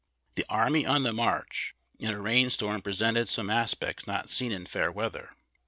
The army on the march in a rain storm presented some aspects not seen in fair weather.